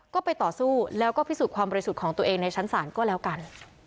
ก็ไปต่อสู้แล้วก็พิสูจน์ความบริสุทธิ์ของตัวเองในชั้นศาลก็แล้วกัน